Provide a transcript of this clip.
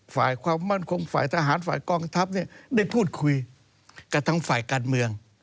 ฝ่ายความมั่นคงฝ่ายทหารฝ่ายกองทัพได้พูดคุยกับทางฝ่ายการเมือง